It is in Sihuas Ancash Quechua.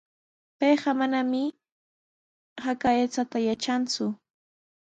Payqa manami haka aychata yatranku.